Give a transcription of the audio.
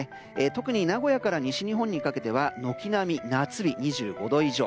特に名古屋から西日本にかけては軒並み夏日２５度以上。